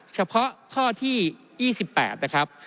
เฉพาะข้อที่๒๘นะครับ